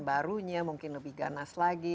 barunya mungkin lebih ganas lagi